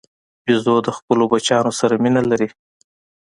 بیزو د خپلو بچیانو سره مینه لري.